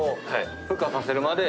孵化させるまで。